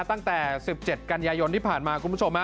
ตั้งแต่๑๗กันยายนที่ผ่านมา